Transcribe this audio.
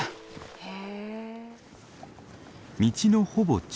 へえ。